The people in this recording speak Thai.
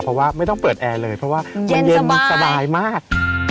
เพราะว่าไม่ต้องเปิดแอร์เลยเพราะว่ามันเย็นสบายมาก